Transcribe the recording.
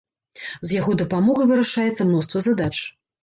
З яго дапамогай вырашаецца мноства задач.